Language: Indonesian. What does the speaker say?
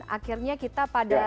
akhirnya kita pada